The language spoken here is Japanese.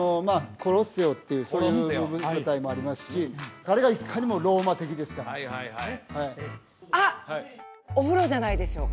コロッセオっていうそういう舞台もありますしあれがいかにもローマ的ですからはいはいはいあっお風呂じゃないでしょうか？